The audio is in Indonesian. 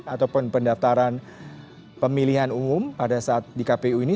ataupun pendaftaran pemilihan umum pada saat di kpu ini